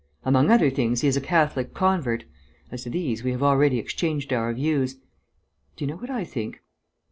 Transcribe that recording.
Among other things he is a Catholic convert; as to these we have already exchanged our views.... Do you know what I think?